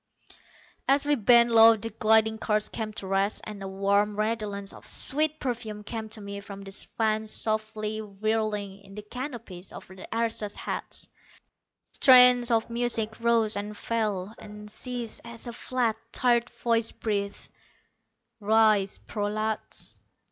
As we bent low the gliding cars came to rest, and a warm redolence of sweet perfume came to me from the fans softly whirling in the canopies over the aristos' heads. Strains of music rose and fell, and ceased as a flat, tired voice breathed: "Rise, prolats."